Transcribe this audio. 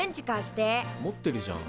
持ってるじゃん。